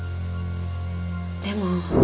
でも。